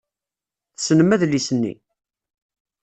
Tessnem adlis-nni.